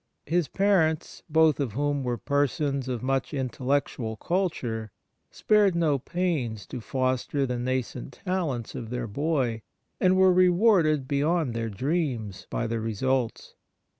His parents, both of whom were persons of much intellectual culture, spared no pains to foster the nascent talents of their boy, and were rewarded beyond their dreams by the results.